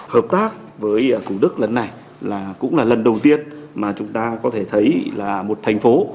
hợp tác với thủ đức lần này là cũng là lần đầu tiên mà chúng ta có thể thấy là một thành phố